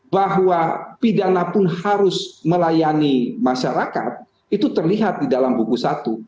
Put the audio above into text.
bahwa pidana pun harus melayani masyarakat itu terlihat di dalam buku satu